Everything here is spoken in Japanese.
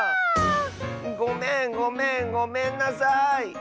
ごめんごめんごめんなさい。